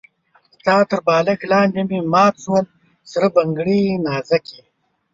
ستا تر بالښت لاندې مي مات سول سره بنګړي نازکي